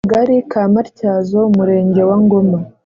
Mu kagali ka matyazo umurenge wa ngoma